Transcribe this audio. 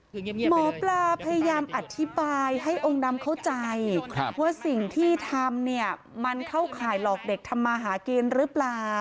หมอปลาพยายามอธิบายให้องค์ดำเข้าใจว่าสิ่งที่ทำเนี่ยมันเข้าข่ายหลอกเด็กทำมาหากินหรือเปล่า